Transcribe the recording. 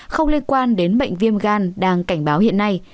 không liên quan đến bệnh viêm gan đang cảnh báo hiện nay